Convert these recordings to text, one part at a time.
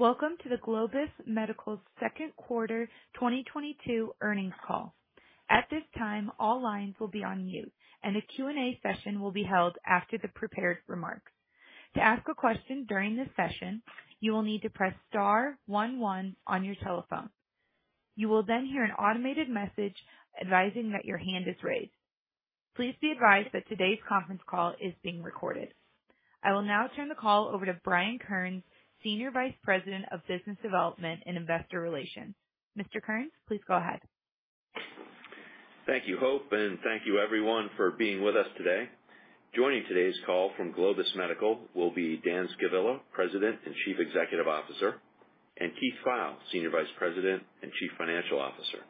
Welcome to the Globus Medical second quarter 2022 earnings call. At this time, all lines will be on mute, and a Q&A session will be held after the prepared remarks. To ask a question during this session, you will need to press star one one on your telephone. You will then hear an automated message advising that your hand is raised. Please be advised that today's conference call is being recorded. I will now turn the call over to Brian Kearns, Senior Vice President of Business Development and Investor Relations. Mr. Kearns, please go ahead. Thank you, Hope, and thank you everyone for being with us today. Joining today's call from Globus Medical will be Dan Scavilla, President and Chief Executive Officer, and Keith Pfeil, Senior Vice President and Chief Financial Officer.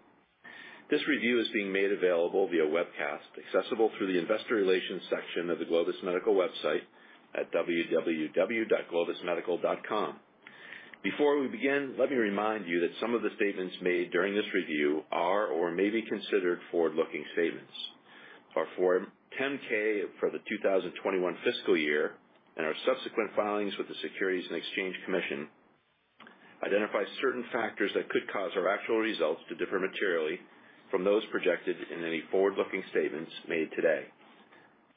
This review is being made available via webcast, accessible through the investor relations section of the Globus Medical website at www.globusmedical.com. Before we begin, let me remind you that some of the statements made during this review are or may be considered forward-looking statements. Our Form 10-K for the 2021 fiscal year and our subsequent filings with the Securities and Exchange Commission identify certain factors that could cause our actual results to differ materially from those projected in any forward-looking statements made today.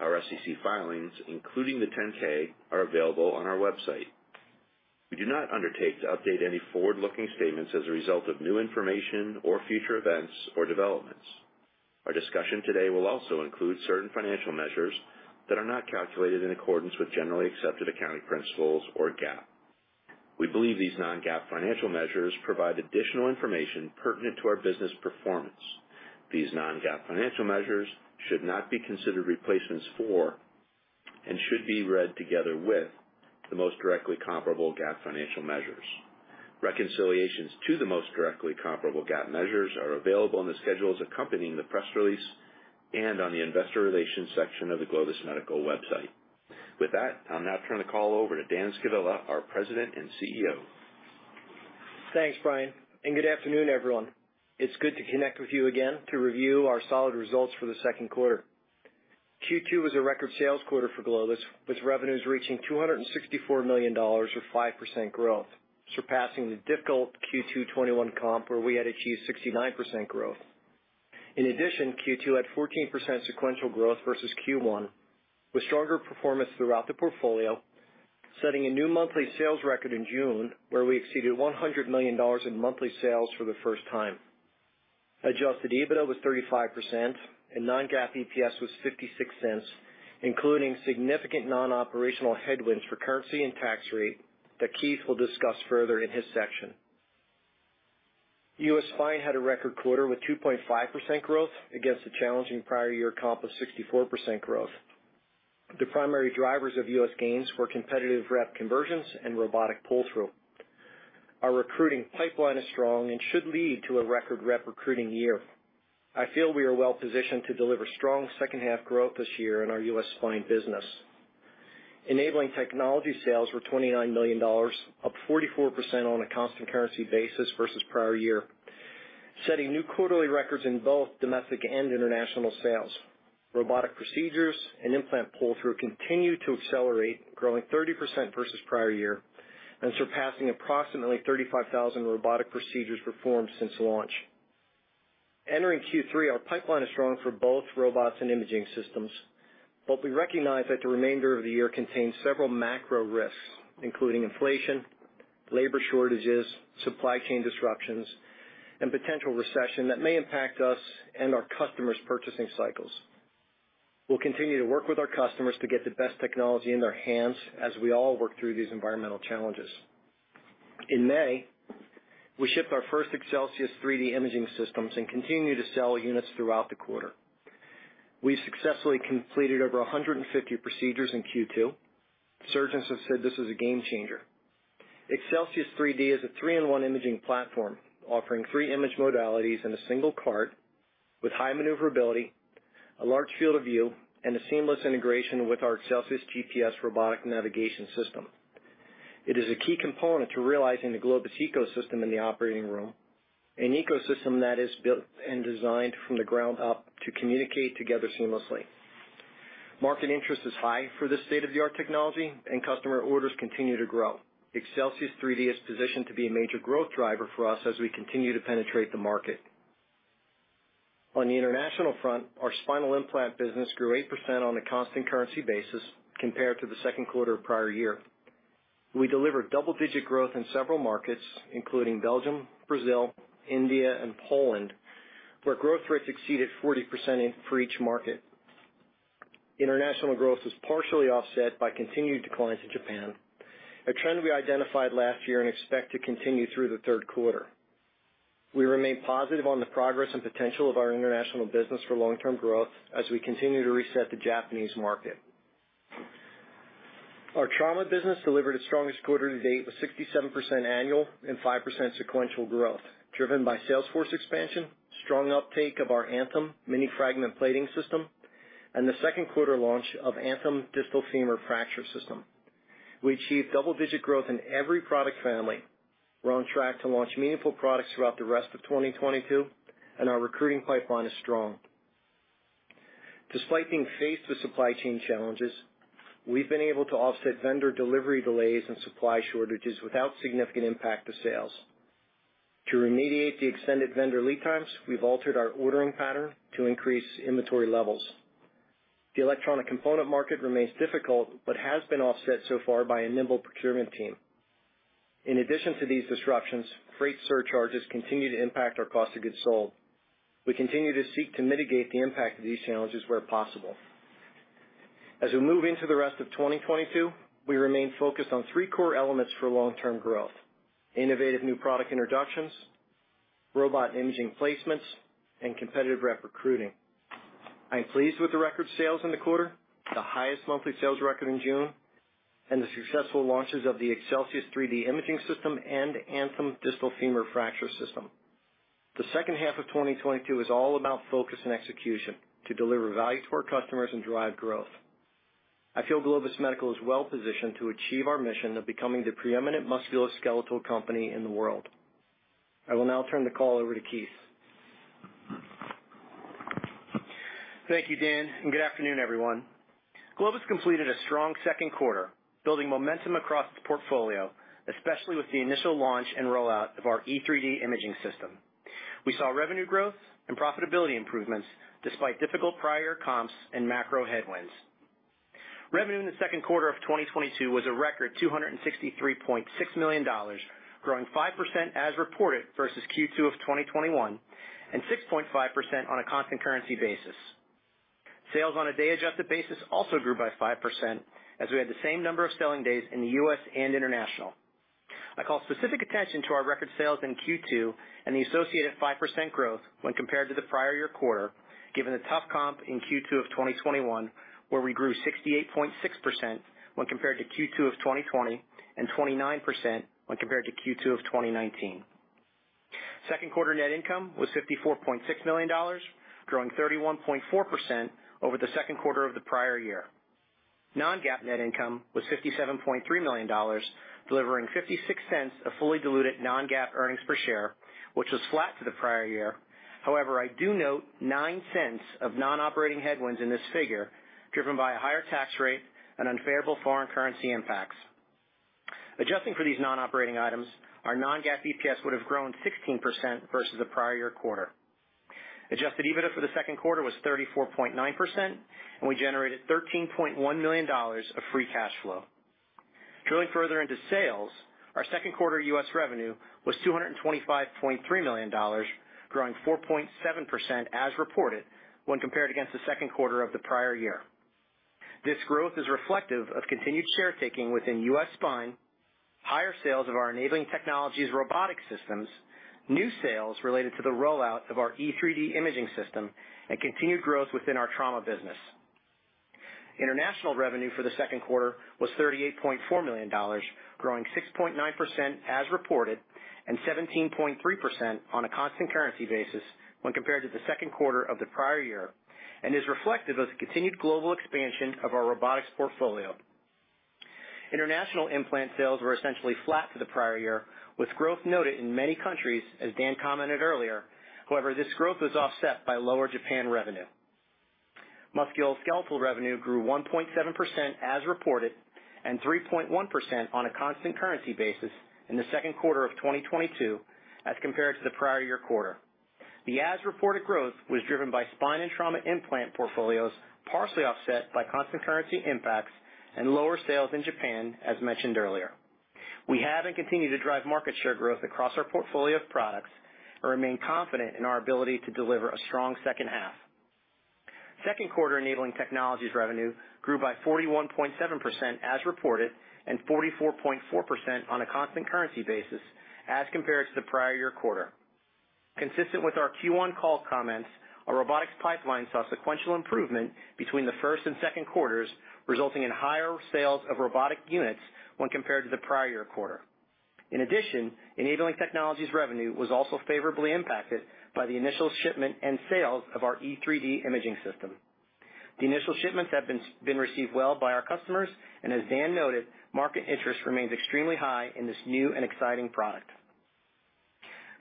Our SEC filings, including the 10-K, are available on our website. We do not undertake to update any forward-looking statements as a result of new information or future events or developments. Our discussion today will also include certain financial measures that are not calculated in accordance with generally accepted accounting principles or GAAP. We believe these non-GAAP financial measures provide additional information pertinent to our business performance. These non-GAAP financial measures should not be considered replacements for, and should be read together with, the most directly comparable GAAP financial measures. Reconciliations to the most directly comparable GAAP measures are available in the schedules accompanying the press release and on the investor relations section of the Globus Medical website. With that, I'll now turn the call over to Dan Scavilla, our President and CEO. Thanks, Brian, and good afternoon, everyone. It's good to connect with you again to review our solid results for the second quarter. Q2 was a record sales quarter for Globus, with revenues reaching $264 million or 5% growth, surpassing the difficult Q2 2021 comp where we had achieved 69% growth. In addition, Q2 had 14% sequential growth versus Q1, with stronger performance throughout the portfolio, setting a new monthly sales record in June, where we exceeded $100 million in monthly sales for the first time. Adjusted EBITDA was 35% and non-GAAP EPS was $0.56, including significant non-operational headwinds for currency and tax rate that Keith will discuss further in his section. U.S. Spine had a record quarter with 2.5% growth against the challenging prior year comp of 64% growth. The primary drivers of U.S. gains were competitive rep conversions and robotic pull-through. Our recruiting pipeline is strong and should lead to a record rep recruiting year. I feel we are well positioned to deliver strong second half growth this year in our U.S. Spine business. Enabling technology sales were $29 million, up 44% on a constant currency basis versus prior year, setting new quarterly records in both domestic and international sales. Robotic procedures and implant pull-through continue to accelerate, growing 30% versus prior year and surpassing approximately 35,000 robotic procedures performed since launch. Entering Q3, our pipeline is strong for both robots and imaging systems, but we recognize that the remainder of the year contains several macro risks, including inflation, labor shortages, supply chain disruptions, and potential recession that may impact us and our customers' purchasing cycles. We'll continue to work with our customers to get the best technology in their hands as we all work through these environmental challenges. In May, we shipped our first Excelsius3D imaging systems and continue to sell units throughout the quarter. We successfully completed over 150 procedures in Q2. Surgeons have said this is a game changer. Excelsius3D is a 3-in-1 imaging platform offering 3 image modalities in a single cart with high maneuverability, a large field of view, and a seamless integration with our ExcelsiusGPS robotic navigation system. It is a key component to realizing the Globus ecosystem in the operating room, an ecosystem that is built and designed from the ground up to communicate together seamlessly. Market interest is high for this state-of-the-art technology and customer orders continue to grow. Excelsius3D is positioned to be a major growth driver for us as we continue to penetrate the market. On the international front, our spinal implant business grew 8% on a constant currency basis compared to the second quarter of prior year. We delivered double-digit growth in several markets, including Belgium, Brazil, India, and Poland, where growth rates exceeded 40% for each market. International growth was partially offset by continued declines in Japan, a trend we identified last year and expect to continue through the third quarter. We remain positive on the progress and potential of our international business for long-term growth as we continue to reset the Japanese market. Our trauma business delivered its strongest quarter to date with 67% annual and 5% sequential growth, driven by sales force expansion, strong uptake of our ANTHEM Mini Fragment Plating System, and the second quarter launch of ANTHEM Distal Femur Fracture System. We achieved double-digit growth in every product family. We're on track to launch meaningful products throughout the rest of 2022, and our recruiting pipeline is strong. Despite being faced with supply chain challenges, we've been able to offset vendor delivery delays and supply shortages without significant impact to sales. To remediate the extended vendor lead times, we've altered our ordering pattern to increase inventory levels. The electronic component market remains difficult, but has been offset so far by a nimble procurement team. In addition to these disruptions, freight surcharges continue to impact our cost of goods sold. We continue to seek to mitigate the impact of these challenges where possible. As we move into the rest of 2022, we remain focused on three core elements for long-term growth. Innovative new product introductions, robotic imaging placements, and competitive rep recruiting. I'm pleased with the record sales in the quarter, the highest monthly sales record in June, and the successful launches of the Excelsius3D imaging system and ANTHEM Distal Femur Fracture System. The second half of 2022 is all about focus and execution to deliver value to our customers and drive growth. I feel Globus Medical is well-positioned to achieve our mission of becoming the preeminent musculoskeletal company in the world. I will now turn the call over to Keith. Thank you, Dan, and good afternoon, everyone. Globus completed a strong second quarter, building momentum across the portfolio, especially with the initial launch and rollout of our E3D imaging system. We saw revenue growth and profitability improvements despite difficult prior comps and macro headwinds. Revenue in the second quarter of 2022 was a record $263.6 million, growing 5% as reported versus Q2 of 2021, and 6.5% on a constant currency basis. Sales on a day-adjusted basis also grew by 5%, as we had the same number of selling days in the U.S. and international. I call specific attention to our record sales in Q2 and the associated 5% growth when compared to the prior year quarter, given the tough comp in Q2 of 2021, where we grew 68.6% when compared to Q2 of 2020, and 29% when compared to Q2 of 2019. Second quarter net income was $54.6 million, growing 31.4% over the second quarter of the prior year. Non-GAAP net income was $57.3 million, delivering $0.56 of fully diluted non-GAAP earnings per share, which was flat to the prior year. However, I do note $0.09 of non-operating headwinds in this figure, driven by a higher tax rate and unfavorable foreign currency impacts. Adjusting for these non-operating items, our non-GAAP EPS would have grown 16% versus the prior year quarter. Adjusted EBITDA for the second quarter was 34.9%, and we generated $13.1 million of free cash flow. Drilling further into sales, our second quarter U.S. revenue was $225.3 million, growing 4.7% as reported when compared against the second quarter of the prior year. This growth is reflective of continued share taking within U.S. spine, higher sales of our enabling technologies robotic systems, new sales related to the rollout of our E3D imaging system, and continued growth within our trauma business. International revenue for the second quarter was $38.4 million, growing 6.9% as reported and 17.3% on a constant currency basis when compared to the second quarter of the prior year, and is reflective of the continued global expansion of our robotics portfolio. International implant sales were essentially flat to the prior year, with growth noted in many countries, as Dan commented earlier. However, this growth was offset by lower Japan revenue. Musculoskeletal revenue grew 1.7% as reported and 3.1% on a constant currency basis in the second quarter of 2022 as compared to the prior year quarter. The as-reported growth was driven by spine and trauma implant portfolios, partially offset by constant currency impacts and lower sales in Japan, as mentioned earlier. We have and continue to drive market share growth across our portfolio of products and remain confident in our ability to deliver a strong second half. Second quarter enabling technologies revenue grew by 41.7% as reported and 44.4% on a constant currency basis as compared to the prior year quarter. Consistent with our Q1 call comments, our robotics pipeline saw sequential improvement between the first and second quarters, resulting in higher sales of robotic units when compared to the prior year quarter. In addition, enabling technologies revenue was also favorably impacted by the initial shipment and sales of our E3D imaging system. The initial shipments have been received well by our customers, and as Dan noted, market interest remains extremely high in this new and exciting product.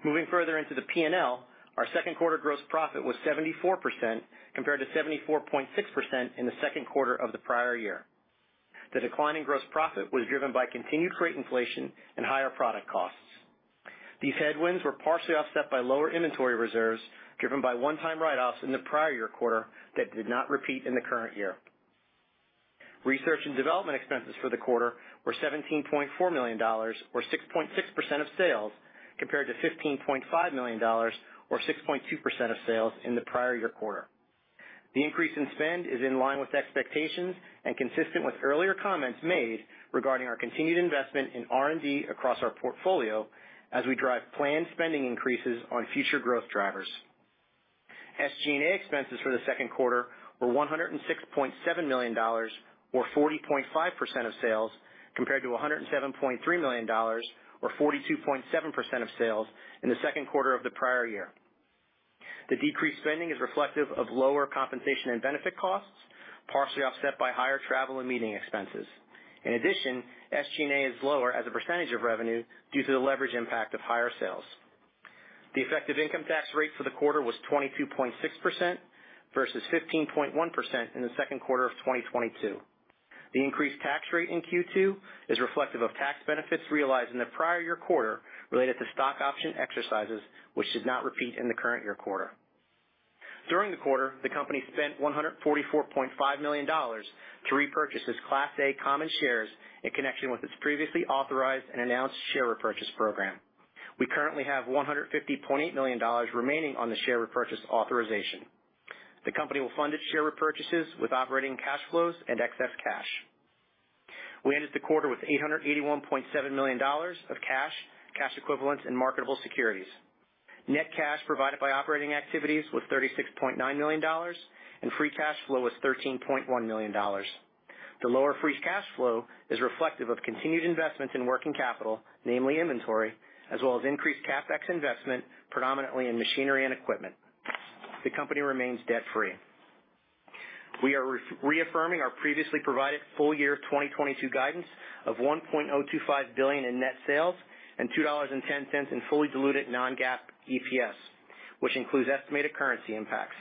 Moving further into the P&L, our second quarter gross profit was 74%, compared to 74.6% in the second quarter of the prior year. The decline in gross profit was driven by continued freight inflation and higher product costs. These headwinds were partially offset by lower inventory reserves, driven by one-time write-offs in the prior year quarter that did not repeat in the current year. Research and development expenses for the quarter were $17.4 million or 6.6% of sales, compared to $15.5 million or 6.2% of sales in the prior year quarter. The increase in spend is in line with expectations and consistent with earlier comments made regarding our continued investment in R&D across our portfolio as we drive planned spending increases on future growth drivers. SG&A expenses for the second quarter were $106.7 million or 40.5% of sales, compared to $107.3 million or 42.7% of sales in the second quarter of the prior year. The decreased spending is reflective of lower compensation and benefit costs, partially offset by higher travel and meeting expenses. In addition, SG&A is lower as a percentage of revenue due to the leverage impact of higher sales. The effective income tax rate for the quarter was 22.6% versus 15.1% in the second quarter of 2022. The increased tax rate in Q2 is reflective of tax benefits realized in the prior year quarter related to stock option exercises, which did not repeat in the current year quarter. During the quarter, the company spent $144.5 million to repurchase its Class A common shares in connection with its previously authorized and announced share repurchase program. We currently have $150.8 million remaining on the share repurchase authorization. The company will fund its share repurchases with operating cash flows and excess cash. We ended the quarter with $881.7 million of cash equivalents, and marketable securities. Net cash provided by operating activities was $36.9 million, and free cash flow was $13.1 million. The lower free cash flow is reflective of continued investment in working capital, namely inventory, as well as increased CapEx investment, predominantly in machinery and equipment. The company remains debt-free. We are reaffirming our previously provided full-year 2022 guidance of $1.025 billion in net sales and $2.10 in fully diluted non-GAAP EPS, which includes estimated currency impacts.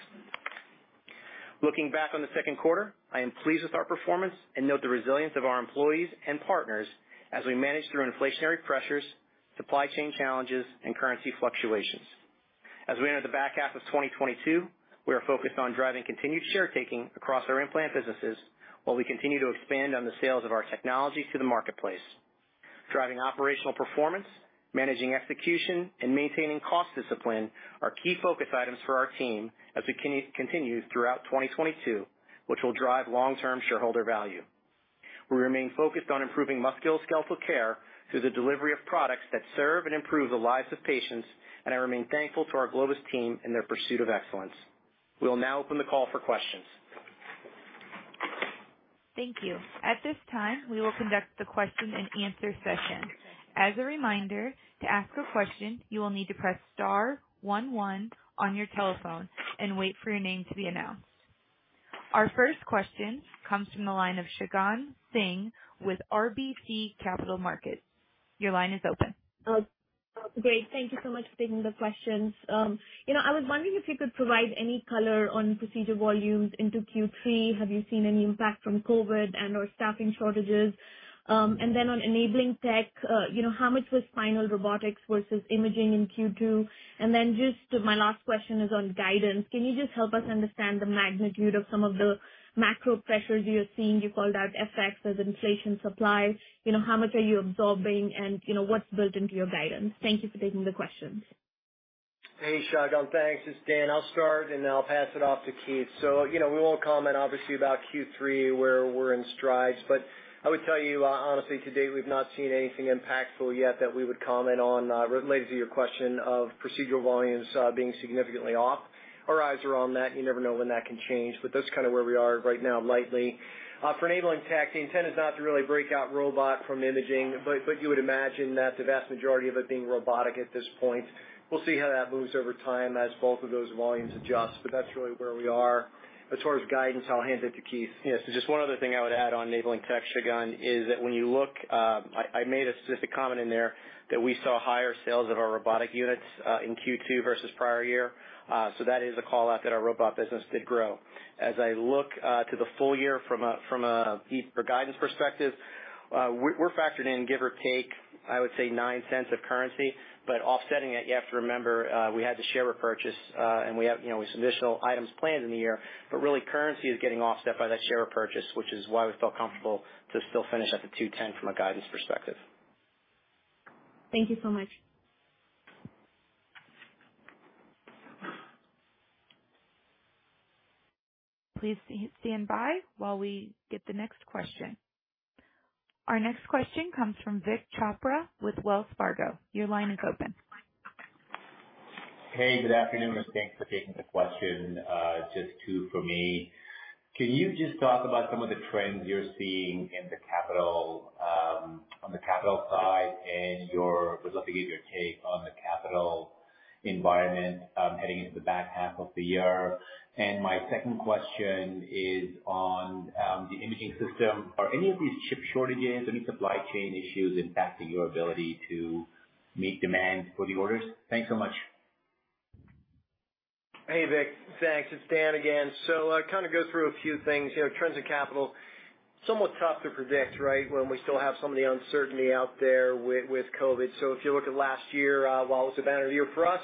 Looking back on the second quarter, I am pleased with our performance and note the resilience of our employees and partners as we manage through inflationary pressures, supply chain challenges, and currency fluctuations. As we enter the back half of 2022, we are focused on driving continued share taking across our implant businesses while we continue to expand on the sales of our technology to the marketplace. Driving operational performance, managing execution, and maintaining cost discipline are key focus items for our team as we continue throughout 2022, which will drive long-term shareholder value. We remain focused on improving musculoskeletal care through the delivery of products that serve and improve the lives of patients, and I remain thankful to our Globus team in their pursuit of excellence. We will now open the call for questions. Thank you. At this time, we will conduct the question-and-answer session. As a reminder, to ask a question, you will need to press star one one on your telephone and wait for your name to be announced. Our first question comes from the line of Shagun Singh with RBC Capital Markets. Your line is open. Great. Thank you so much for taking the questions. You know, I was wondering if you could provide any color on procedure volumes into Q3. Have you seen any impact from COVID and/or staffing shortages? And then on enabling tech, you know, how much was spinal robotics versus imaging in Q2? And then just my last question is on guidance. Can you just help us understand the magnitude of some of the macro pressures you're seeing? You called out FX, inflation, supply. You know, how much are you absorbing and, you know, what's built into your guidance? Thank you for taking the questions. Hey, Shagun. Thanks. It's Dan. I'll start, and then I'll pass it off to Keith. You know, we won't comment obviously about Q3, where we're in strides. But I would tell you, honestly, to date, we've not seen anything impactful yet that we would comment on, related to your question of procedural volumes, being significantly off. Our eyes are on that. You never know when that can change, but that's kind of where we are right now, lightly. For enabling tech, the intent is not to really break out robot from imaging, but you would imagine that the vast majority of it being robotic at this point. We'll see how that moves over time as both of those volumes adjust, but that's really where we are. As far as guidance, I'll hand it to Keith. Yes. Just one other thing I would add on enabling tech, Shagun, is that when you look, I made a specific comment in there that we saw higher sales of our robotic units in Q2 versus prior year. That is a call-out that our robot business did grow. As I look to the full year from a guidance perspective, we're factored in, give or take, I would say $0.09 of currency, but offsetting it, you have to remember we had the share repurchase and we have, you know, some additional items planned in the year, but really currency is getting offset by that share repurchase, which is why we feel comfortable to still finish at the $2.10 from a guidance perspective. Thank you so much. Please stand by while we get the next question. Our next question comes from Vik Chopra with Wells Fargo. Your line is open. Hey, good afternoon, and thanks for taking the question. Just two for me. Can you just talk about some of the trends you're seeing in the capital, on the capital side and your take on the capital environment, heading into the back half of the year? My second question is on the imaging system. Are any of these chip shortages, any supply chain issues impacting your ability to meet demand for the orders? Thanks so much. Hey, Vik. Thanks. It's Dan again. Kind of go through a few things. You know, trends in capital, somewhat tough to predict, right? When we still have some of the uncertainty out there with COVID. If you look at last year, while it was a banner year for us,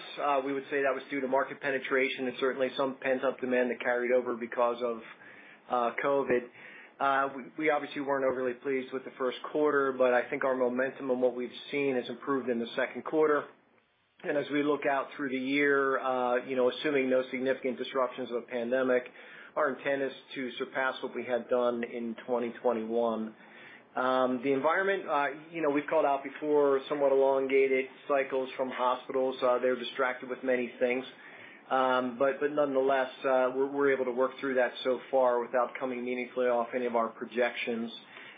we would say that was due to market penetration and certainly some pent-up demand that carried over because of COVID. We obviously weren't overly pleased with the first quarter, but I think our momentum and what we've seen has improved in the second quarter. As we look out through the year, you know, assuming no significant disruptions of pandemic, our intent is to surpass what we had done in 2021. The environment, you know, we've called out before, somewhat elongated cycles from hospitals. They're distracted with many things. Nonetheless, we're able to work through that so far without coming meaningfully off any of our projections.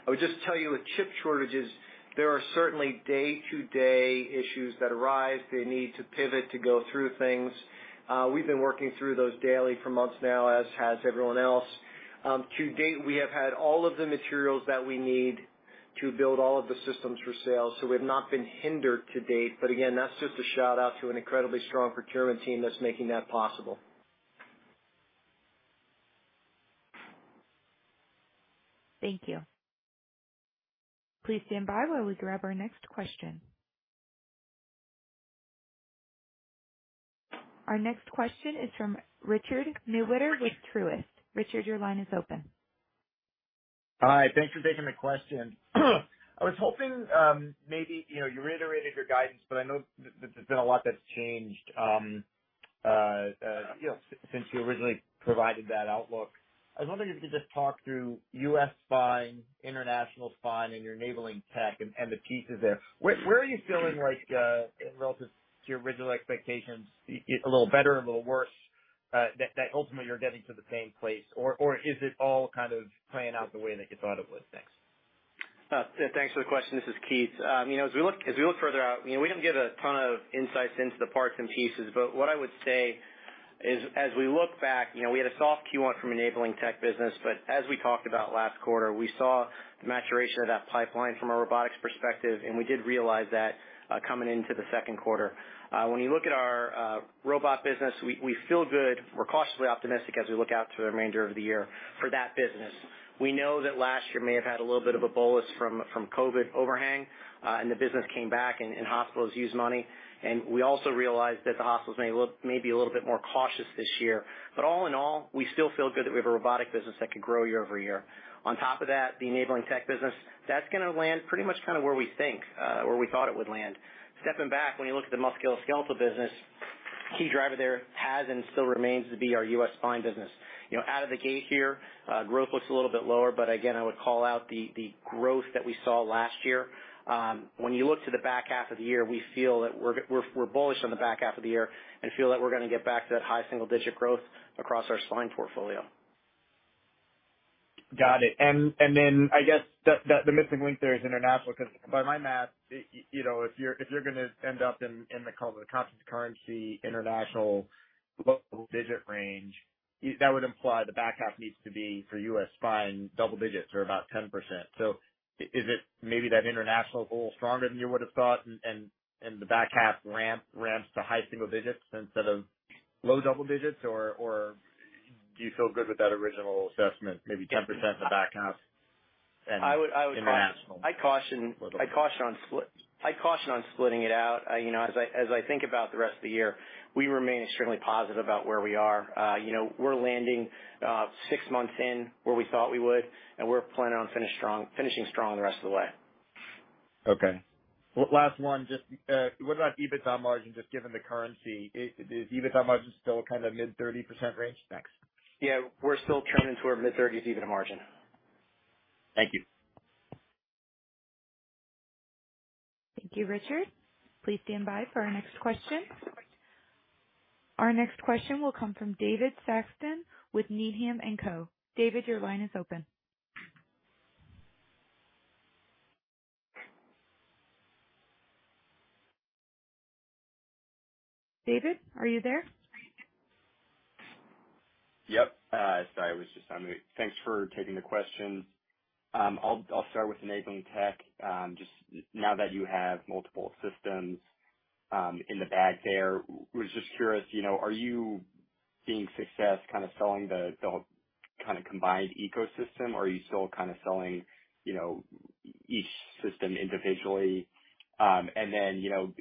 I would just tell you with chip shortages, there are certainly day-to-day issues that arise. They need to pivot to go through things. We've been working through those daily for months now, as has everyone else. To date, we have had all of the materials that we need to build all of the systems for sale, so we have not been hindered to date. Again, that's just a shout-out to an incredibly strong procurement team that's making that possible. Thank you. Please stand by while we grab our next question. Our next question is from Richard Newitter with Truist. Richard, your line is open. Hi. Thanks for taking the question. I was hoping, maybe, you know, you reiterated your guidance, but I know there's been a lot that's changed, you know, since you originally provided that outlook. I was wondering if you could just talk through U.S. spine, international spine, and your enabling tech and the pieces there. Where are you feeling like, relative to your original expectations, a little better, a little worse, that ultimately you're getting to the same place? Or is it all kind of playing out the way that you thought it would? Thanks. Thanks for the question. This is Keith. You know, as we look further out, you know, we don't give a ton of insights into the parts and pieces, but what I would say is, as we look back, you know, we had a soft Q1 from enabling tech business, but as we talked about last quarter, we saw the maturation of that pipeline from a robotics perspective, and we did realize that coming into the second quarter. When you look at our robot business, we feel good. We're cautiously optimistic as we look out to the remainder of the year for that business. We know that last year may have had a little bit of a bolus from COVID overhang, and the business came back and hospitals used money. We also realized that the hospitals may look maybe a little bit more cautious this year. All in all, we still feel good that we have a robotic business that can grow year over year. On top of that, the enabling tech business, that's gonna land pretty much kind of where we think, where we thought it would land. Stepping back, when you look at the musculoskeletal business, key driver there has and still remains to be our U.S. spine business. You know, out of the gate here, growth looks a little bit lower, but again, I would call out the growth that we saw last year. When you look to the back half of the year, we feel that we're bullish on the back half of the year and feel that we're gonna get back to that high single-digit growth across our spine portfolio. Got it. I guess the missing link there is international, because by my math, you know, if you're gonna end up in the call it constant currency international low digit range, that would imply the back half needs to be for U.S. spine double digits or about 10%. Is it maybe that international a little stronger than you would have thought and the back half ramp to high single digits instead of low double digits or do you feel good with that original assessment, maybe 10% the back half and- I would caution. -international I caution on splitting it out. You know, as I think about the rest of the year, we remain extremely positive about where we are. You know, we're landing six months in where we thought we would, and we're planning on finishing strong the rest of the way. Okay. Last one, just what about EBITDA margin, just given the currency? Is EBITDA margin still kind of mid-30% range? Thanks. Yeah, we're still trending toward mid-30s% EBITDA margin. Thank you. Thank you, Richard. Please stand by for our next question. Our next question will come from David Saxon with Needham & Company. David, your line is open. David, are you there? Yep. Sorry, I was just on mute. Thanks for taking the question. I'll start with enabling tech. Just now that you have multiple systems in the bag there, was just curious, you know, are you seeing success kind of selling the kind of combined ecosystem? Or are you still kind of selling, you know, each system individually? And then, you know,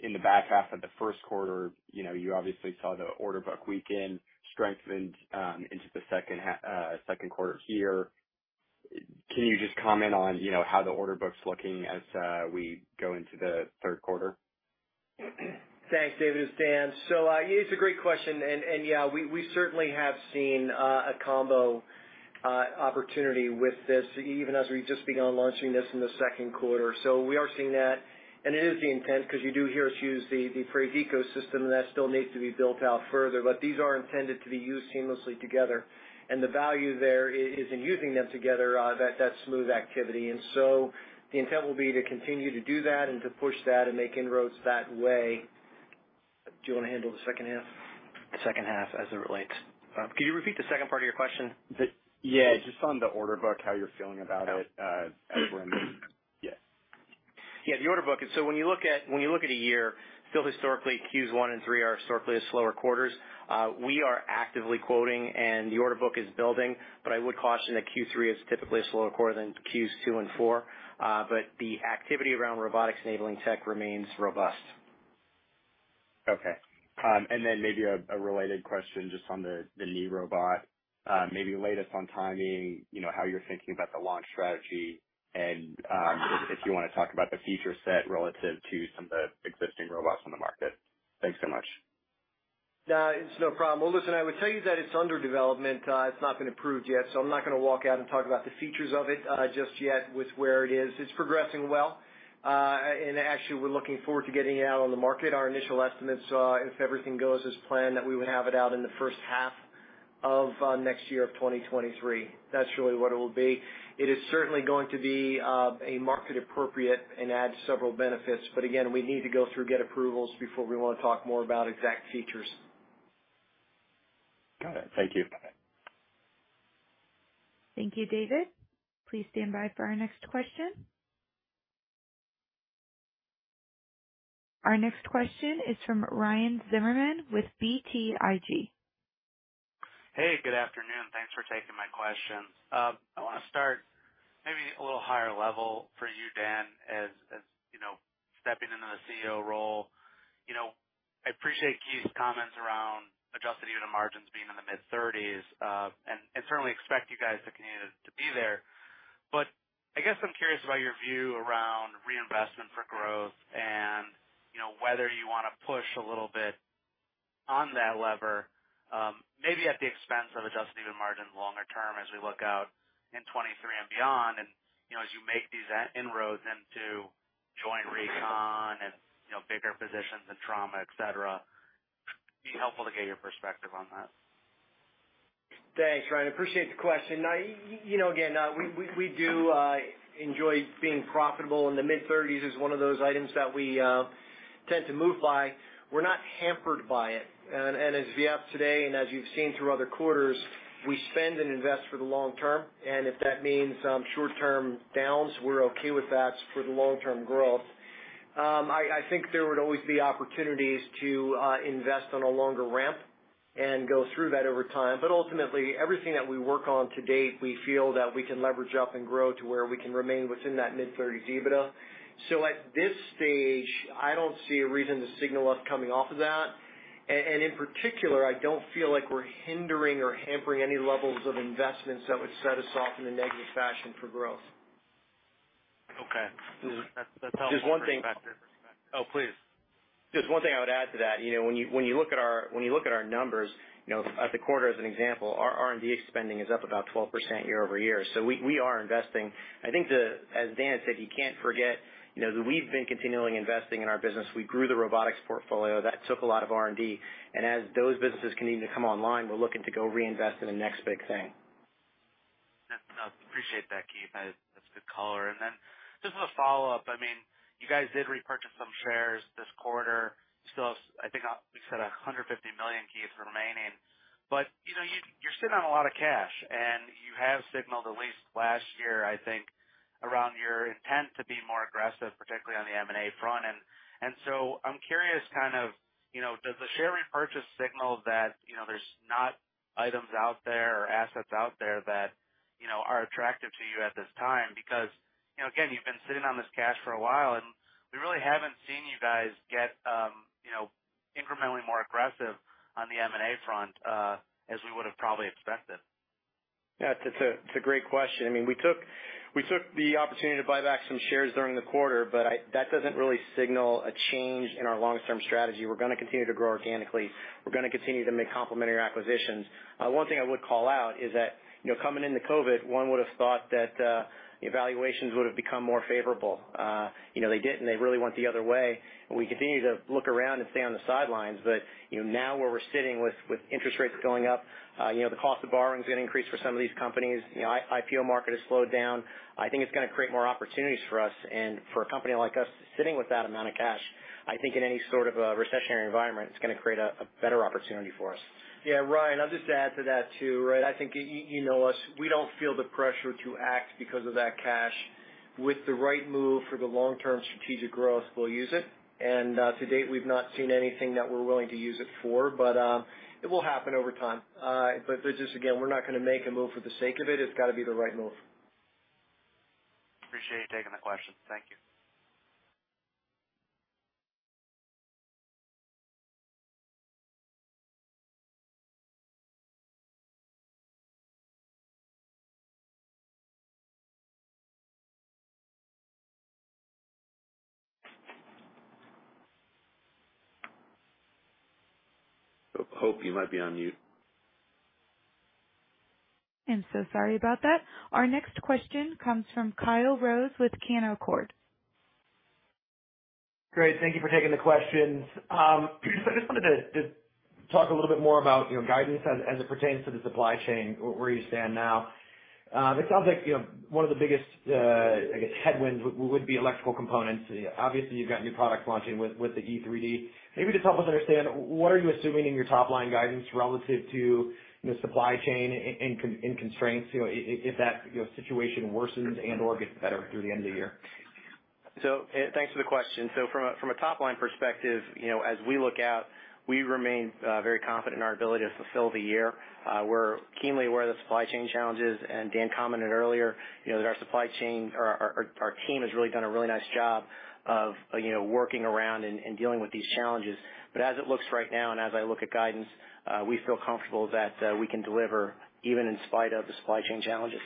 in the back half of the first quarter, you know, you obviously saw the order book weaken, strengthened into the second quarter here. Can you just comment on, you know, how the order book's looking as we go into the third quarter? Thanks, David. It's Dan. It's a great question. Yeah, we certainly have seen a combo opportunity with this even as we've just begun launching this in the second quarter. We are seeing that, and it is the intent because you do hear us use the phrase ecosystem, and that still needs to be built out further. These are intended to be used seamlessly together. The value there is in using them together, that smooth activity. The intent will be to continue to do that and to push that and make inroads that way. Do you wanna handle the second half? The second half as it relates. Could you repeat the second part of your question? Yeah, just on the order book, how you're feeling about it as we're in this. Yeah. Yeah. The order book. When you look at a year, fiscally historically Q1 and Q3 are historically slower quarters. We are actively quoting and the order book is building. I would caution that Q3 is typically a slower quarter than Q2 and Q4. The activity around robotics enabling tech remains robust. Maybe a related question just on the knee robot. Maybe latest on timing, you know, how you're thinking about the launch strategy and if you wanna talk about the feature set relative to some of the existing robots on the market. Thanks so much. It's no problem. Well, listen, I would tell you that it's under development. It's not been approved yet, so I'm not gonna walk out and talk about the features of it, just yet with where it is. It's progressing well. Actually we're looking forward to getting it out on the market. Our initial estimates, if everything goes as planned, that we would have it out in the first half of, next year of 2023. That's really what it will be. It is certainly going to be, a market appropriate and add several benefits, but again, we need to go through, get approvals before we wanna talk more about exact features. Got it. Thank you. Thank you, David. Please stand by for our next question. Our next question is from Ryan Zimmerman with BTIG. Hey, good afternoon. Thanks for taking my questions. I wanna start maybe a little higher level for you, Dan, as you know, stepping into the CEO role. You know, I appreciate Keith's comments around adjusted EBITDA margins being in the mid-30s, and certainly expect you guys to continue to be there. But I guess I'm curious about your view around reinvestment for growth and, you know, whether you wanna push a little bit on that lever, maybe at the expense of adjusted EBITDA margin longer term as we look out in 2023 and beyond. You know, as you make these inroads into joint recon and, you know, bigger positions in trauma, et cetera. It'd be helpful to get your perspective on that. Thanks, Ryan. Appreciate the question. Now, you know, again, we do enjoy being profitable in the mid-30s% is one of those items that we tend to move by. We're not hampered by it. As we have today, and as you've seen through other quarters, we spend and invest for the long term. If that means short-term downs, we're okay with that for the long-term growth. I think there would always be opportunities to invest on a longer ramp and go through that over time. Ultimately, everything that we work on to date, we feel that we can leverage up and grow to where we can remain within that mid-30s EBITDA. At this stage, I don't see a reason to signal us coming off of that. In particular, I don't feel like we're hindering or hampering any levels of investments that would set us off in a negative fashion for growth. Okay. That's helpful. Just one thing. Oh, please. Just one thing I would add to that. You know, when you look at our numbers, you know, in the quarter as an example, our R&D spending is up about 12% year-over-year. We are investing. I think, as Dan said, you can't forget, you know, that we've been continually investing in our business. We grew the robotics portfolio. That took a lot of R&D. As those businesses continue to come online, we're looking to go reinvest in the next big thing. Yes. No, appreciate that, Keith. That's a good color. Just as a follow-up, I mean, you guys did repurchase some shares this quarter. Still have, I think, we said $150 million, Keith, remaining. You know, you're sitting on a lot of cash, and you have signaled at least last year, I think, around your intent to be more aggressive, particularly on the M&A front. And so I'm curious kind of, you know, does the share repurchase signal that, you know, there's not items out there or assets out there that, you know, are attractive to you at this time? Because, you know, again, you've been sitting on this cash for a while, and we really haven't seen you guys get, you know, incrementally more aggressive on the M&A front, as we would've probably expected. It's a great question. I mean, we took the opportunity to buy back some shares during the quarter, but that doesn't really signal a change in our long-term strategy. We're gonna continue to grow organically. We're gonna continue to make complementary acquisitions. One thing I would call out is that, you know, coming into COVID, one would've thought that valuations would've become more favorable. You know, they didn't, and they really went the other way. We continue to look around and stay on the sidelines. You know, now where we're sitting with interest rates going up, you know, the cost of borrowing is gonna increase for some of these companies. You know, the IPO market has slowed down. I think it's gonna create more opportunities for us and for a company like us sitting with that amount of cash. I think in any sort of a recessionary environment, it's gonna create a better opportunity for us. Yeah, Ryan, I'll just add to that too, right? I think you know us. We don't feel the pressure to act because of that cash. With the right move for the long-term strategic growth, we'll use it. To date, we've not seen anything that we're willing to use it for. It will happen over time. Just again, we're not gonna make a move for the sake of it. It's gotta be the right move. Appreciate you taking the question. Thank you. Hope, you might be on mute. I'm so sorry about that. Our next question comes from Kyle Rose with Canaccord. Great. Thank you for taking the questions. I just wanted to talk a little bit more about, you know, guidance as it pertains to the supply chain, where you stand now. It sounds like, you know, one of the biggest, I guess, headwinds would be electrical components. Obviously, you've got new products launching with the E3D. Maybe just help us understand what are you assuming in your top-line guidance relative to the supply chain and constraints, you know, if that, you know, situation worsens and/or gets better through the end of the year. Thanks for the question. From a top-line perspective, you know, as we look out, we remain very confident in our ability to fulfill the year. We're keenly aware of the supply chain challenges, and Dan commented earlier, you know, that our supply chain or our team has really done a really nice job of, you know, working around and dealing with these challenges. As it looks right now, and as I look at guidance, we feel comfortable that we can deliver even in spite of the supply chain challenges.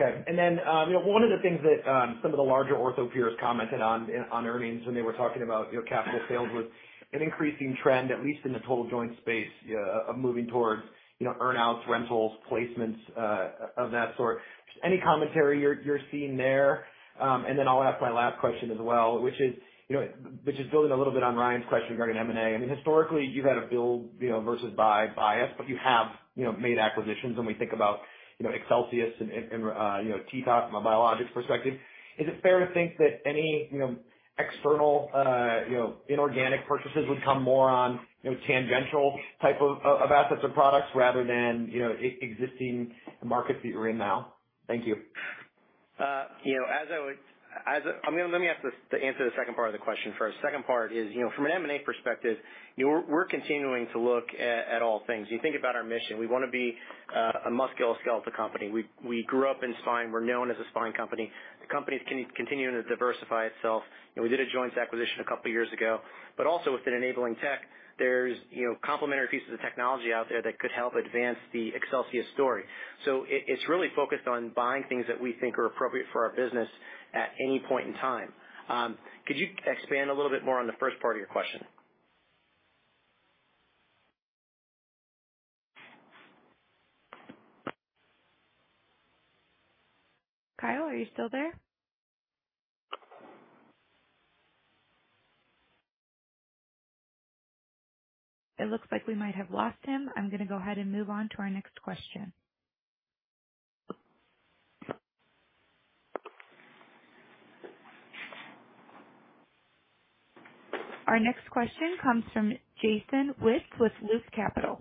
Okay. You know, one of the things that some of the larger ortho peers commented on earnings when they were talking about capital sales was an increasing trend, at least in the total joint space, moving towards earn-outs, rentals, placements of that sort. Any commentary you're seeing there? I'll ask my last question as well, which is, you know, building a little bit on Ryan's question regarding M&A. I mean, historically, you've had a build versus buy bias, but you have made acquisitions when we think about Excelsius and TKO from a biologics perspective. Is it fair to think that any External, you know, inorganic purchases would come more on, you know, tangential type of assets or products rather than, you know, existing markets that you're in now. Thank you. Let me ask this to answer the second part of the question first. Second part is, you know, from an M&A perspective, you know, we're continuing to look at all things. You think about our mission, we wanna be a musculoskeletal company. We grew up in spine. We're known as a spine company. The company's continuing to diversify itself. We did a joints acquisition a couple years ago. Also within enabling tech, there's, you know, complementary pieces of technology out there that could help advance the Excelsius story. It's really focused on buying things that we thin k are appropriate for our business at any point in time. Could you expand a little bit more on the first part of your question? Kyle, are you still there? It looks like we might have lost him. I'm gonna go ahead and move on to our next question. Our next question comes from Jason Witt with Loop Capital.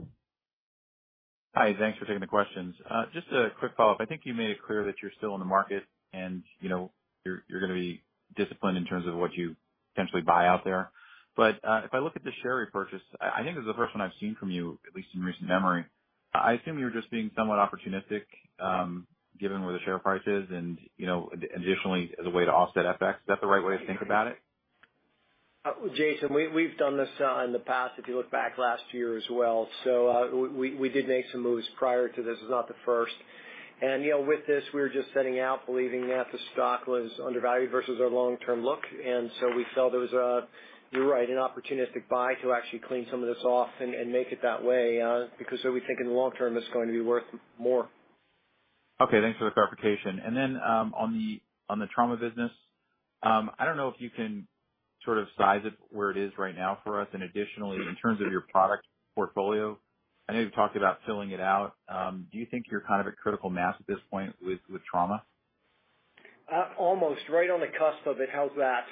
Hi, thanks for taking the questions. Just a quick follow-up. I think you made it clear that you're still in the market and, you know, you're gonna be disciplined in terms of what you potentially buy out there. If I look at the share repurchase, I think this is the first one I've seen from you, at least in recent memory. I assume you're just being somewhat opportunistic, given where the share price is and, you know, additionally, as a way to offset FX. Is that the right way to think about it? Jason, we've done this in the past, if you look back last year as well. We did make some moves prior to this. This is not the first. You know, with this, we were just setting out believing that the stock was undervalued versus our long-term look. We felt there was a, you're right, an opportunistic buy to actually clean some of this off and make it that way, because so we think in the long term, it's going to be worth more. Okay, thanks for the clarification. On the trauma business, I don't know if you can sort of size it where it is right now for us. Additionally, in terms of your product portfolio, I know you've talked about filling it out. Do you think you're kind of at critical mass at this point with trauma? Almost right on the cusp of it. How's that?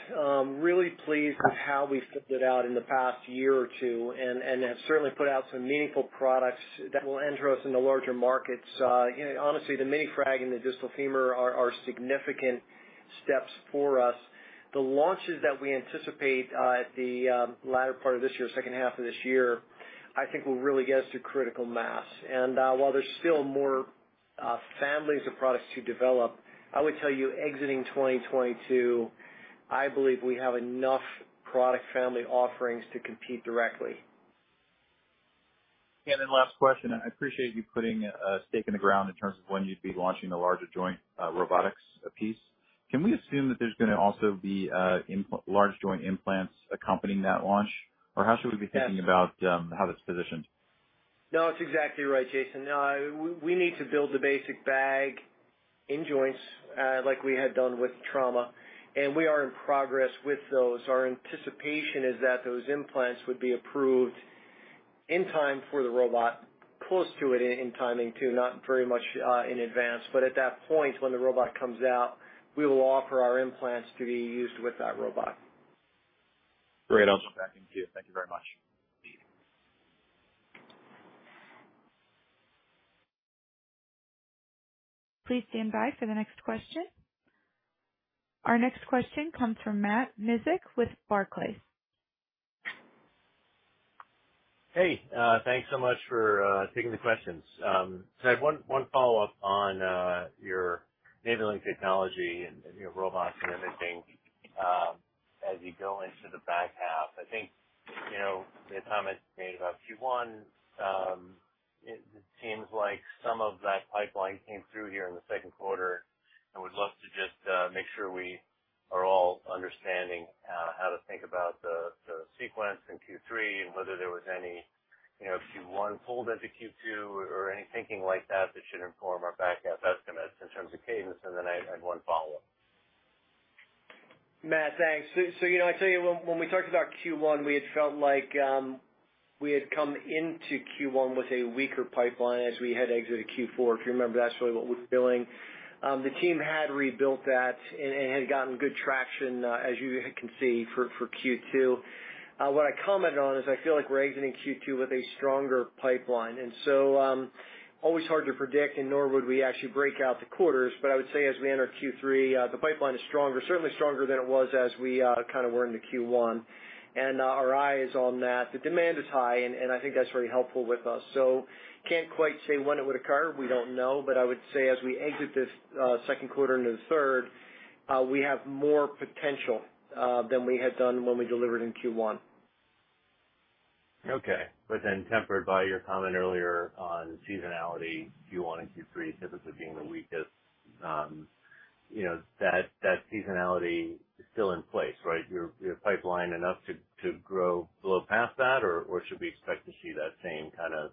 Really pleased with how we've filled it out in the past year or two and have certainly put out some meaningful products that will enter us in the larger markets. You know, honestly, the Mini Frag and the distal femur are significant steps for us. The launches that we anticipate at the latter part of this year, second half of this year, I think will really get us to critical mass. While there's still more families of products to develop, I would tell you, exiting 2022, I believe we have enough product family offerings to compete directly. Last question. I appreciate you putting a stake in the ground in terms of when you'd be launching the larger joint robotics piece. Can we assume that there's gonna also be large joint implants accompanying that launch? Or how should we be thinking about how that's positioned? No, that's exactly right, Jason. No, we need to build the basic bag in joints, like we had done with trauma, and we are in progress with those. Our antiipation is that those implants would be approved in time for the robot, close to it in timing too, not very much in advance. At that point, when the robot comes out, we will offer our implants to be used with that robot. Great. I'll look back into it. Thank you very much. Please stand by for the next question. Our next question comes from Matt Miksic with Barclays. Hey, thanks so much for taking the questions. I have one follow-up on your enabling technology and, you know, robots and imaging, as you go into the back half. I think, you know, the comment made about Q1, it seems like some of that pipeline came through here in the second quarter, and would love to just make sure we are all understanding how to think about the sequence in Q3 and whether there was any, you know, Q1 pulled into Q2 or any thinking like that should inform our back half estimates in terms of cadence. I had one follow-up. Matt, thanks. You know, I tell you, when we talked about Q1, we had felt like we had come into Q1 with a weaker pipeline as we had exited Q4. If you remember, that's really what we're feeling. The team had rebuilt that and had gotten good traction, as you can see for Q2. What I commented on is I feel like we're exiting Q2 with a stronger pipeline, and so always hard to predict and nor would we actually break out the quarters, but I would say as we enter Q3, the pipeline is stronger, certainly stronger than it was as we kind of were into Q1. Our eye is on that. The demand is high, and I think that's very helpful with us. Can't quite say when it would occur. We don't know. I would say as we exit this second quarter into the third, we have more potential than we had done when we delivered in Q1. Okay. Tempered by your comment earlier on seasonality, Q1 and Q3 typically being the weakest, you know, that seasonality is still in place, right? Your pipeline enough to grow above past that or should we expect to see that same kind of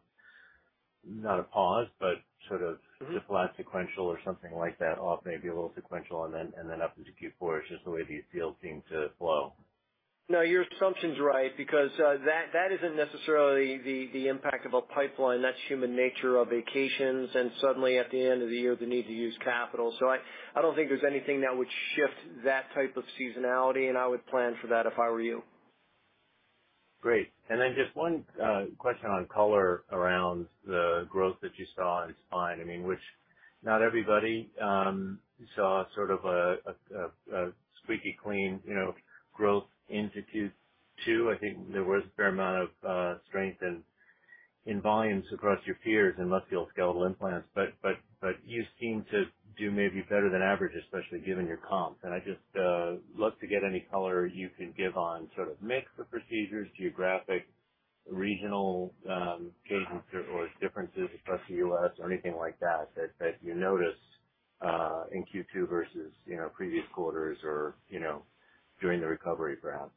not a pause, but sort of. Mm-hmm. Flat sequential or something like that off maybe a little sequential and then up into Q4. It's just the way these deals seem to flow. No, your assumption's right because that isn't necessarily the impact of a pipeline. That's human nature of vacations, and suddenly at the end of the year, the need to use capital. I don't think there's anything that would shift that type of seasonality, and I would plan for that if I were you. Great. Just one question on color around the growth that you saw in spine. I mean, which not everybody saw sort of a squeaky clean, you know, growth in Q2. I think there was a fair amount of strength in volumes across your peers in musculoskeletal implants. You seem to do maybe better than average, especially given your comps. I'd just love to get any color you could give on sort of mix of procedures, geographic, regional changes or differences across the U.S. or anything like that you noticed in Q2 versus, you know, previous quarters or, you know, during the recovery perhaps.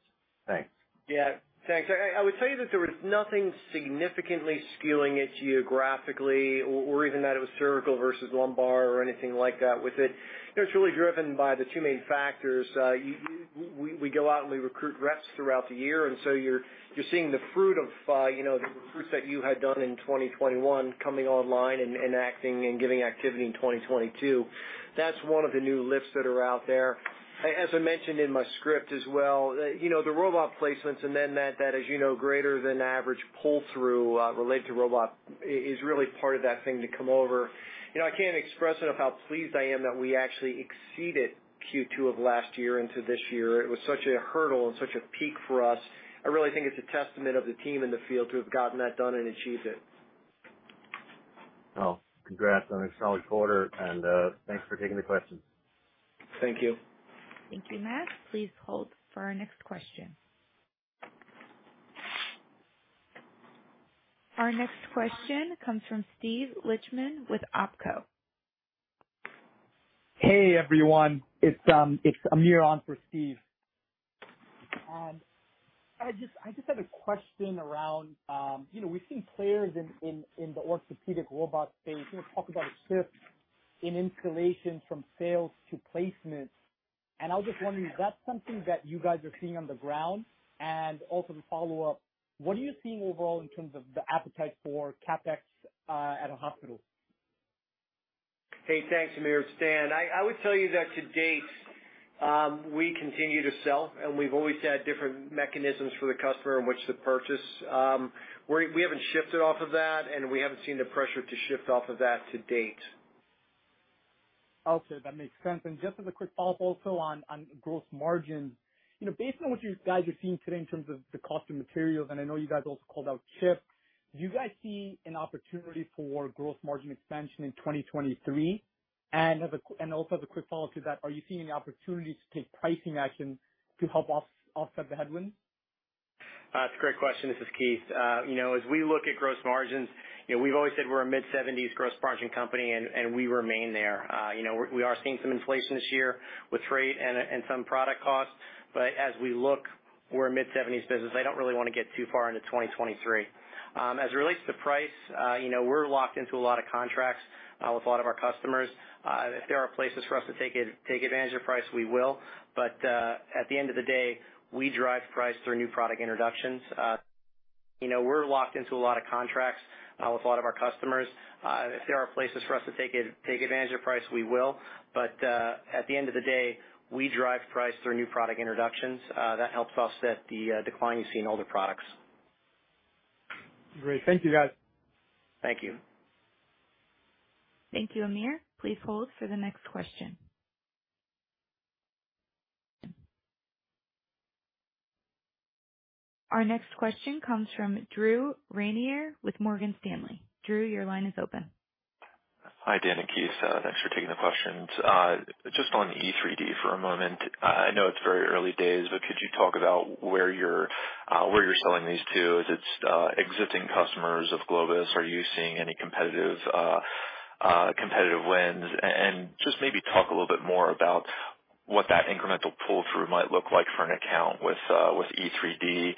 Thanks. Yeah. Thanks. I would tell you that there was nothing significantly skewing it geographically or even that it was cervical versus lumbar or anything like that with it. You know, it's really driven by the two main factors. We go out, and we recruit reps throughout the year, and so you're seeing the fruit of, you know, the recruits that you had done in 2021 coming online and acting and giving activity in 2022. That's one of the new lifts that are out there. As I mentioned in my script as well, you know, the robot placements and then that as you know, greater than average pull-through related to robot is really part of that thing to come over. You know, I can't express enough how pleased I am that we actually exceeded Q2 of last year into this year. It was such a hurdle and such a peak for us. I really think it's a testament of the team in the field to have gotten that done and achieved it. Well, congrats on a solid quarter, and, thanks for taking the questions. Thank you. Thank you, Matt. Please hold for our next question. Our next question comes from Steve Lichtman with OpCo. Hey, everyone. It's Amir on for Steve. I just had a question around, you know, we've seen players in the orthopedic robot space, you know, talk about a shift in installations from sales to placements, and I was just wondering, is that something that you guys are seeing on the ground? Also to follow up, what are you seeing overall in terms of the appetite for CapEx at a hospital? Hey, thanks, Amir. Stan, I would tell you that to date, we continue to sell, and we've always had different mechanisms for the customer in which to purchase. We haven't shifted off of that, and we haven't seen the pressure to shift off of that to date. Okay. That makes sense. Just as a quick follow-up also on gross margin. You know, based on what you guys are seeing today in terms of the cost of materials, and I know you guys also called out chips, do you guys see an opportunity for gross margin expansion in 2023? Also as a quick follow to that, are you seeing any opportunities to take pricing actions to help offset the headwinds? It's a great question. This is Keith. You know, as we look at gross margins, you know, we've always said we're a mid-70s gross margin company, and we remain there. You know, we are seeing some inflation this year with freight and some product costs. As we look, we're a mid-70s business. I don't really wanna get too far into 2023. As it relates to price, you know, we're locked into a lot of contracts with a lot of our customers. If there are places for us to take advantage of price, we will. At the end of the day, we drive price through new product introductions. You know, we're locked into a lot of contracts with a lot of our customers. If there are places for us to take advantage of price, we will. At the end of the day, we drive price through new product introductions. That helps offset the decline you see in older products. Great. Thank you, guys. Thank you. Thank you, Amir. Please hold for the next question. Our next question comes from Drew Ranieri with Morgan Stanley. Drew, your line is open. Hi, Dan and Keith. Thanks for taking the questions. Just on E3D for a moment. I know it's very early days, but could you talk about where you're selling these to? Is it existing customers of Globus? Are you seeing any competitive wins? And just maybe talk a little bit more about what that incremental pull-through might look like for an account with E3D.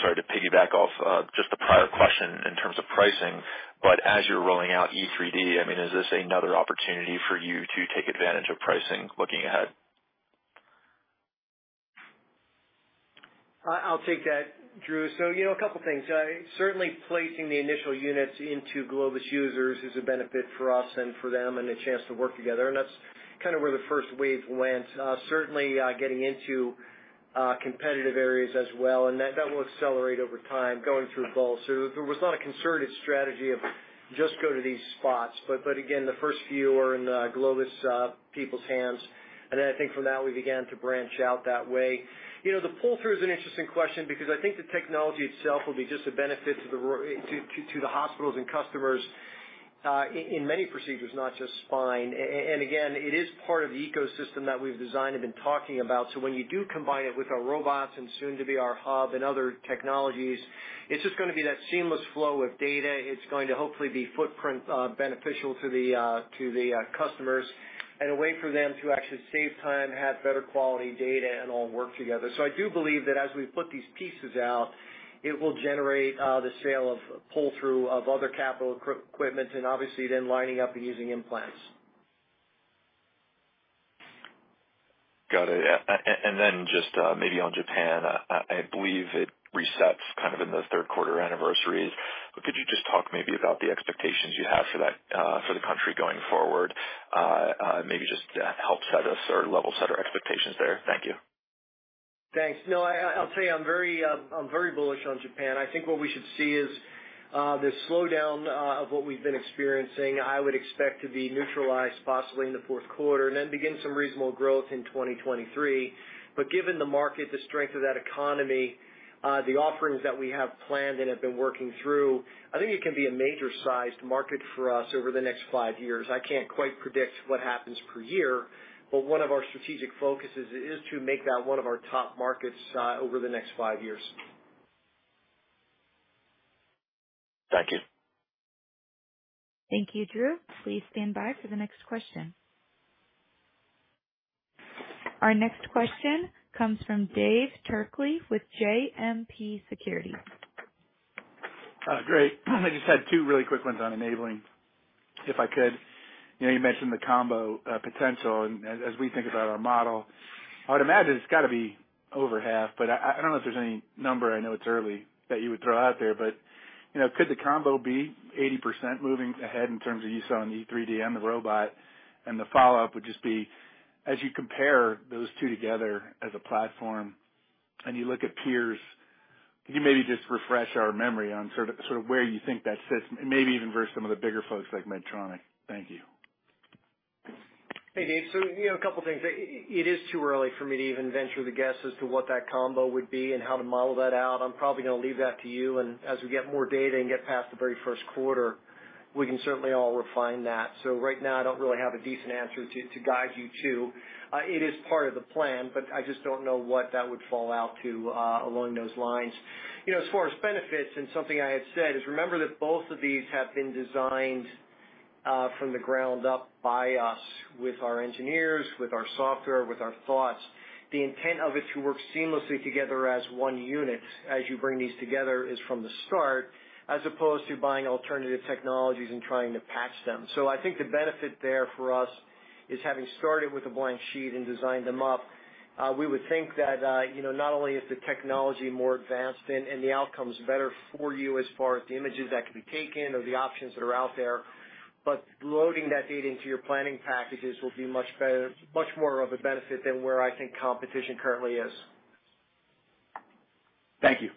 Sorry to piggyback off just the prior question in terms of pricing, but as you're rolling out E3D, I mean, is this another opportunity for you to take advantage of pricing looking ahead? I'll take that, Drew. You know, a couple things. Certainly placing the initial units into Globus users is a benefit for us and for them and a chance to work together, and that's kind of where the first wave went. Certainly getting into competitive areas as well, and that will accelerate over time going through both. There was not a concerted strategy of just go to these spots, but again, the first few are in the Globus people's hands. Then I think from that we began to branch out that way. You know, the pull-through is an interesting question because I think the technology itself will be just a benefit to the hospitals and customers in many procedures, not just spine. Again, it is part of the ecosystem that we've designed and been talking about. When you do combine it with our robots and soon to be our hub and other technologies, it's just gonna be that seamless flow of data. It's going to hopefully be footprint beneficial to the customers and a way for them to actually save time, have better quality data and all work together. I do believe that as we put these pieces out, it will generate the sale of pull-through of other capital equipment and obviously then lining up and using implants. Got it. Then just maybe on Japan, I believe it resets kind of in the third quarter anniversaries. Could you just talk maybe about the expectations you have for that, for the country going forward? Maybe just help set us or level set our expectations there. Thank you. Thanks. No, I'll tell you I'm very bullish on Japan. I think what we should see is the slowdown of what we've been experiencing. I would expect to be neutralized possibly in the fourth quarter and then begin some reasonable growth in 2023. Given the market, the strength of that economy, the offerings that we have planned and have been working through, I think it can be a major sized market for us over the next five years. I can't quite predict what happens per year, but one of our strategic focuses is to make that one of our top markets over the next five years. Thank you. Thank you, Drew. Please stand by for the next question. Our next question comes from Dave Turkaly with JMP Securities. Great. I just had two really quick ones on enabling, if I could. You know, you mentioned the combo potential. As we think about our model, I would imagine it's got to be over half, but I don't know if there's any number, I know it's early, that you would throw out there. You know, could the combo be 80% moving ahead in terms of use on E3D, the robot? The follow-up would just be, as you compare those two together as a platform and you look at peers, can you maybe just refresh our memory on sort of where you think that sits maybe even versus some of the bigger folks like Medtronic? Thank you. Hey, Dave. You know, a couple things. It is too early for me to even venture the guess as to what that combo would be and how to model that out. I'm probably gonna leave that to you. As we get more data and get past the very first quarter, we can certainly all refine that. Right now I don't really have a decent answer to guide you to. It is part of the plan, but I just don't know what that would fall out to along those lines. You know, as far as benefits, and something I had said, is remember that both of these have been designed from the ground up by us with our engineers, with our software, with our thoughts. The intent of it to work seamlessly together as one unit as you bring these together is from the start, as opposed to buying alternative technologies and trying to patch them. I think the benefit there for us is having started with a blank sheet and designed them up. We would think that, you know, not only is the technology more advanced and the outcomes better for you as far as the images that can be taken or the options that are out there, but loading that data into your planning packages will be much better, much more of a benefit than where I think competition currently is. Thank you.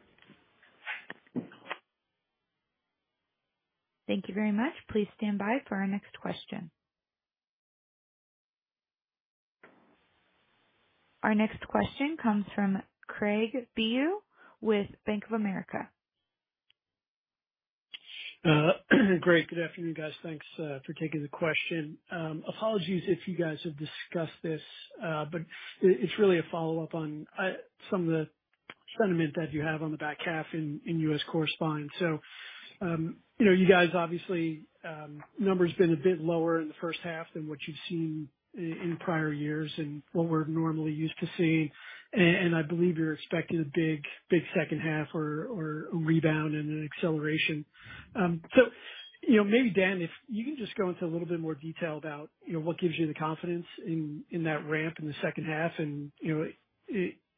Thank you very much. Please stand by for our next question. Our next question comes from Craig Bijou with Bank of America. Great. Good afternoon, guys. Thanks for taking the question. Apologies if you guys have discussed this, but it's really a follow-up on some of the sentiment that you have on the back half in U.S. core spine. You know, you guys obviously, numbers been a bit lower in the first half than what you've seen in prior years and what we're normally used to seeing. I believe you're expecting a big second half or a rebound and an acceleration. You know, maybe Dan, if you can just go into a little bit more detail about, you know, what gives you the confidence in that ramp in the second half and, you know,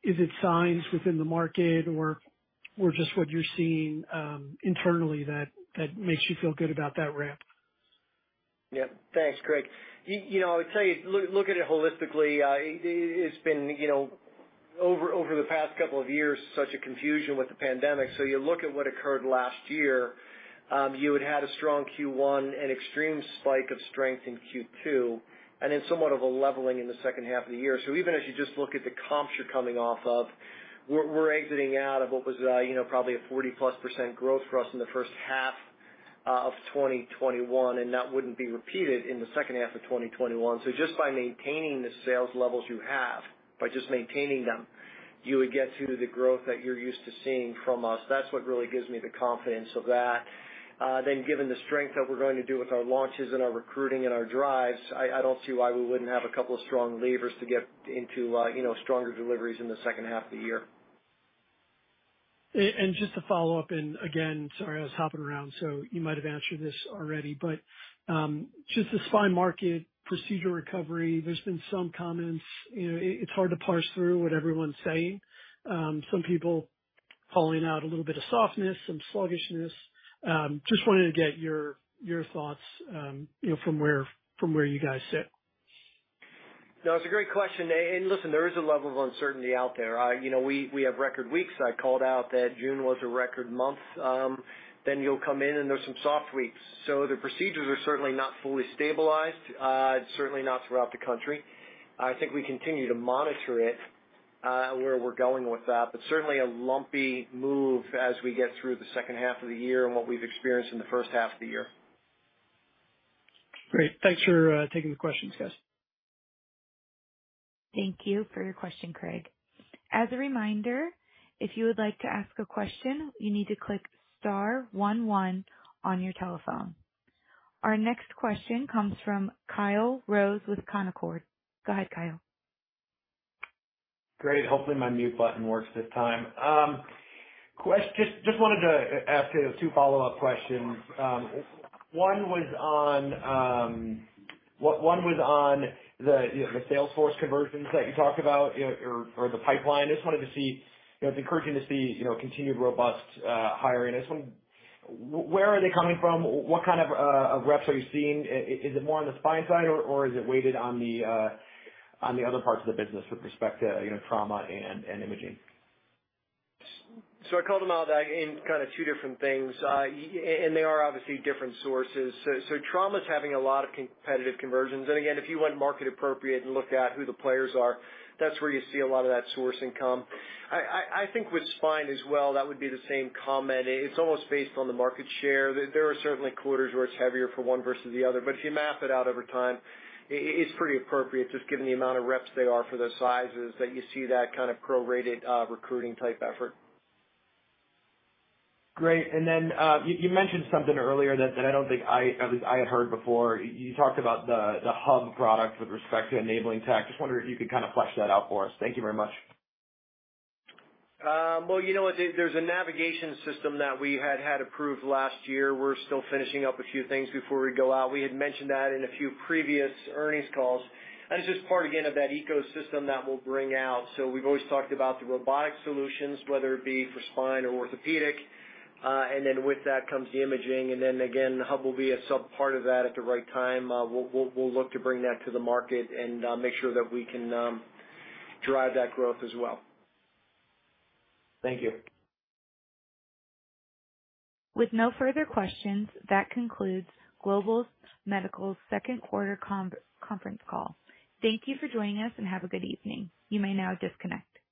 is it signs within the market or just what you're seeing internally that makes you feel good about that ramp? Yeah. Thanks, Craig. You know, I would tell you, look at it holistically. It's been, you know, over the past couple of years, such a confusion with the pandemic. You look at what occurred last year, you had a strong Q1, an extreme spike of strength in Q2, and then somewhat of a leveling in the second half of the year. Even as you just look at the comps you're coming off of, we're exiting out of what was, you know, probably a 40%+ growth for us in the first half of 2021, and that wouldn't be repeated in the second half of 2021. Just by maintaining the sales levels you have, by just maintaining them, you would get to the growth that you're used to seeing from us. That's what really gives me the confidence of that. Given the strength that we're going to do with our launches and our recruiting and our drives, I don't see why we wouldn't have a couple of strong levers to get into, you know, stronger deliveries in the second half of the year. Just to follow up, and again, sorry, I was hopping around, so you might have answered this already. Just the spine market procedure recovery, there's been some comments. You know, it's hard to parse through what everyone's saying. Some people calling out a little bit of softness, some sluggishness. Just wanted to get your thoughts, you know, from where you guys sit. No, it's a great question. And listen, there is a level of uncertainty out there. You know, we have record weeks. I called out that June was a record month. You'll come in and there's some soft weeks. The procedures are certainly not fully stabilized, and certainly not throughout the country. I think we continue to monitor it, where we're going with that, but certainly a lumpy move as we get through the second half of the year and what we've experienced in the first half of the year. Great. Thanks for taking the questions, guys. Thank you for your question, Craig. As a reminder, if you would like to ask a question, you need to click star one one on your telephone. Our next question comes from Kyle Rose with Canaccord Genuity. Go ahead, Kyle. Great. Hopefully my mute button works this time. Just wanted to ask, you know, two follow-up questions. One was on the, you know, the sales force conversions that you talked about or the pipeline. Just wanted to see. You know, it's encouraging to see, you know, continued robust hiring. I just wonder, where are they coming from? What kind of reps are you seeing? Is it more on the spine side or is it weighted on the other parts of the business with respect to, you know, trauma and imaging? So I called them out in kind of two different things. They are obviously different sources. Trauma's having a lot of competitive conversions. Again, if you went market appropriate and looked at who the players are, that's where you see a lot of that sourcing come. I think with spine as well, that would be the same comment. It's almost based on the market share. There are certainly quarters where it's heavier for one versus the other, but if you map it out over time, it's pretty appropriate just given the amount of reps they are for those sizes that you see that kind of prorated recruiting type effort. Great. You mentioned something earlier that I don't think I, at least I had heard before. You talked about the ExcelsiusHub with respect to enabling tech. Just wondering if you could kind of flesh that out for us. Thank you very much. Well, you know what? There's a navigation system that we had had approved last year. We're still finishing up a few things before we go out. We had mentioned that in a few previous earnings calls, and it's just part again of that ecosystem that we'll bring out. We've always talked about the robotic solutions, whether it be for spine or orthopedic, and then with that comes the imaging. Then again, the hub will be a sub part of that at the right time. We'll look to bring that to the market and make sure that we can drive that growth as well. Thank you. With no further questions, that concludes Globus Medical's second quarter conference call. Thank you for joining us and have a good evening. You may now disconnect.